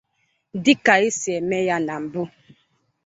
Dịka e si eme ya na mbụ